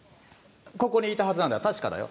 ここにいたはずなんだ確かだよ。